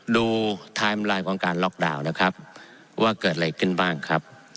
ไทม์ไลน์ของการล็อกดาวน์นะครับว่าเกิดอะไรขึ้นบ้างครับ